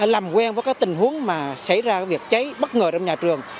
làm quen với các tình huống mà xảy ra việc cháy bất ngờ trong nhà trường